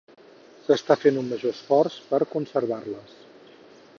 S'està fent un major esforç per conservar-les.